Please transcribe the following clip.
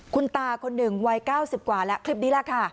คุณตาคนหนึ่งวัย๙๐กว่าแล้วคลิปนี้แหละค่ะ